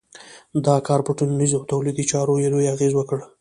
دا کار پر ټولنیزو او تولیدي چارو یې لوی اغېز وکړ.